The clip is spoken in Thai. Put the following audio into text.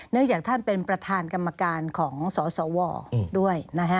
เนื่องจากท่านเป็นประธานกรรมการของสสวด้วย